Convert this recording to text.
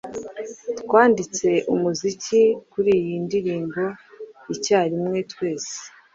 Twanditse umuziki kuri iyi ndirimbo icyarimwe twese